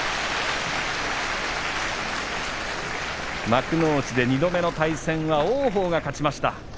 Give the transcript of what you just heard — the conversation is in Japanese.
幕内で２度目の対戦は王鵬が勝ちました。